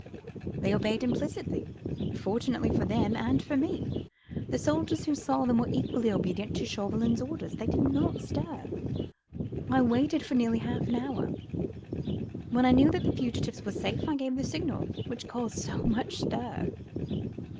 They obeyed implicitly, fortunately for them and for me. The soldiers who saw them were equally obedient to Chauvelin's orders. They did not stir! I waited for nearly half an hour; when I knew that the fugitives were safe I gave the signal, which caused so much stir."